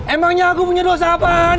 emangnya aku punya dosa apa